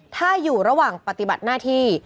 ถ้าอยู่ระหว่างปฏิบัติหน้าที่